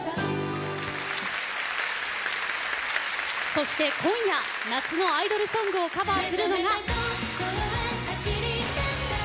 そして今夜夏のアイドルソングをカバーするのが。